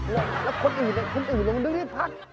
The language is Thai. แล้วคนอื่นเราก็ต้องด้เริ่มได้นักคัก